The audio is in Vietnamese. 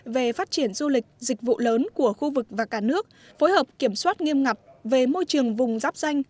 về phát triển du lịch dịch vụ lớn của khu vực và cả nước phối hợp kiểm soát nghiêm ngặt về môi trường vùng giáp danh